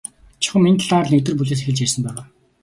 Чухам энэ талаар л нэгдүгээр бүлгээс эхэлж ярьсан байгаа.